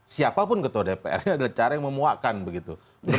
siapapun ketua dpr ini adalah cara yang memuakkan begitu